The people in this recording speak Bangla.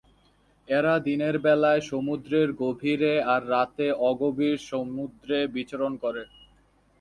এরা দিনের বেলায় সমুদ্রের গভীরে আর রাতে অগভীর সমুদ্রে বিচরণ করে।